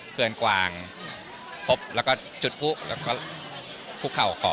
เพื่อนกวางพบจุดพุกพุกเข่าขอ